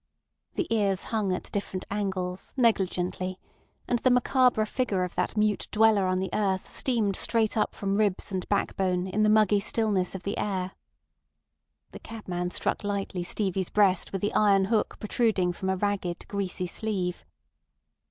The ears hung at different angles, negligently; and the macabre figure of that mute dweller on the earth steamed straight up from ribs and backbone in the muggy stillness of the air. The cabman struck lightly Stevie's breast with the iron hook protruding from a ragged, greasy sleeve.